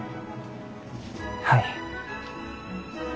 はい。